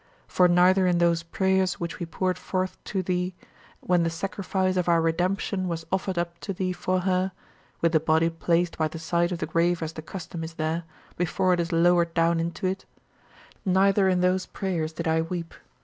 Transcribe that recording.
For neither in those prayers which we poured forth to thee, when the sacrifice of our redemption was offered up to thee for her with the body placed by the side of the grave as the custom is there, before it is lowered down into it neither in those prayers did I weep.